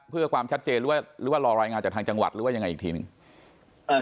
เพื่อความชัดเจนหรือว่าหรือว่ารอรายงานจากทางจังหวัดหรือว่ายังไงอีกทีหนึ่ง